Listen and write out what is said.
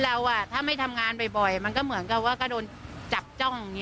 เหมือนว่าคนเราถ้าไม่ทำงานบ่อยมันก็เหมือนกันว่าก็โดนจับจ้อง